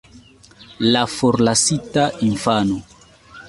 La forlasita infano.